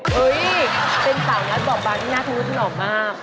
เฮ้ยเป็นสาวนัดบอบบานี่น่าทรุดหน่อมาก